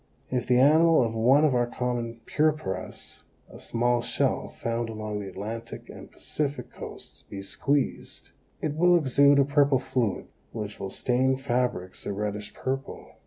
If the animal of one of our common purpuras, a small shell found along the Atlantic and Pacific coasts, be squeezed, it will exude a purple fluid which will stain fabrics a reddish purple.